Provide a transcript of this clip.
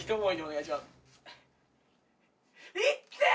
いってぇ！